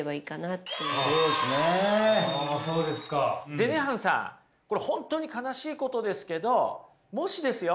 でねハンさんこれ本当に悲しいことですけどもしですよ